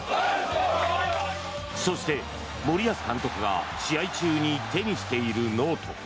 そして森保監督が試合中に手にしているノート。